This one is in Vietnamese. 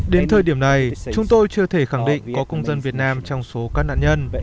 đến thời điểm này chúng tôi chưa thể khẳng định có công dân việt nam trong số các nạn nhân